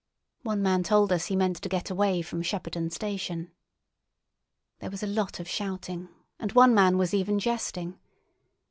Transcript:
One man told us he meant to try to get away from Shepperton station. There was a lot of shouting, and one man was even jesting.